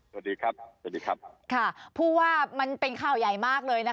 ปลอดภาษาสวัสดีครับค่ะพูดว่ามันเป็นข้าวใหญ่มากเลยนะคะ